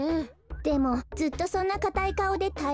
でもずっとそんなかたいかおでたえられるかしら？